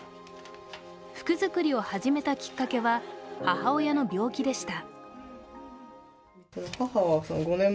服作りを始めたきっかけは母親の病気でした。